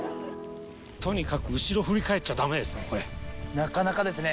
とにかく後ろ振り返っちゃだなかなかですね。